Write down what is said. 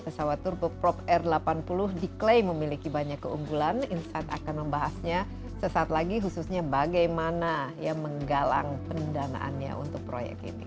pesawat turboprop r delapan puluh diklaim memiliki banyak keunggulan insight akan membahasnya sesaat lagi khususnya bagaimana ya menggalang pendanaannya untuk proyek ini